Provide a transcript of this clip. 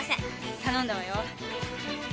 頼んだわよ。